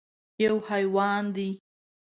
_يو حيوان دی.